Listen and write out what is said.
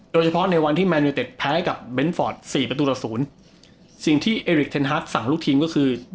โดยเฉพาะในวันที่แมนยูเต็ดแพ้กับเบนทฟอร์ดสี่ประตูต่อศูนย์สิ่งที่เอริกเทนฮัสสั่งลูกทิ้งก็คือ